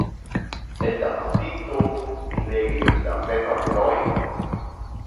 En la pasinto, mi legis la fefabelojn.